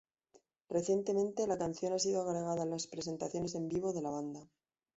Recientemente la canción ha sido agregada a las presentaciones en vivo de la banda.